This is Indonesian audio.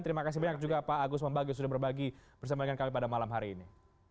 terima kasih banyak juga pak agus mbak bagio sudah berbagi persembahan kami pada malam hari ini